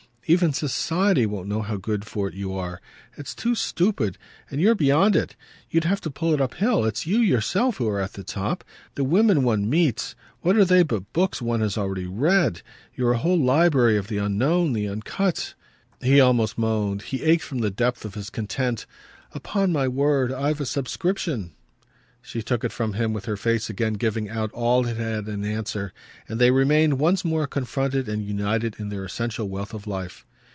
Even 'society' won't know how good for it you are; it's too stupid, and you're beyond it. You'd have to pull it uphill it's you yourself who are at the top. The women one meets what are they but books one has already read? You're a whole library of the unknown, the uncut." He almost moaned, he ached, from the depth of his content. "Upon my word I've a subscription!" She took it from him with her face again giving out all it had in answer, and they remained once more confronted and united in their essential wealth of life.